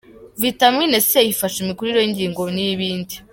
Vitamine C ifasha imikurire y’ingingo n’ibindi….